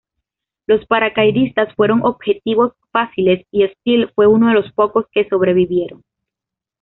Los paracaidistas fueron objetivos fáciles y Steele fue uno de los pocos que sobrevivieron.